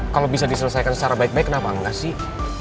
kalau bisa diselesaikan secara baik baik kenapa enggak sih